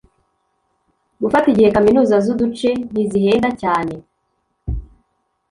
gufata igihe Kaminuza z uduce ntizihenda cyane